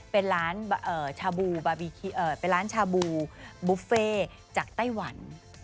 เป็นร้านชาบูบุฟเฟต์จากไต้หวัน